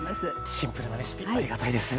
シンプルなレシピありがたいです。